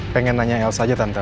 pengen nanya elsa aja tante